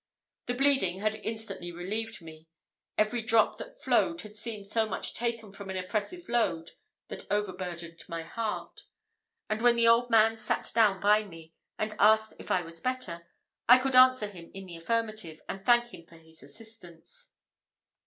The bleeding had instantly relieved me. Every drop that flowed had seemed so much taken from an oppressive load that overburdened my heart; and when the old man sat down by me, and asked if I was better, I could answer him in the affirmative, and thank him for his assistance.